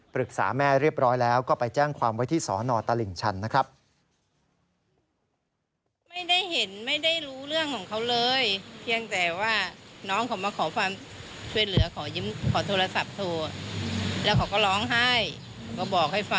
ปรึกษาแม่เรียบร้อยแล้วก็ไปแจ้งความไว้ที่สนตลิ่งชันนะครับ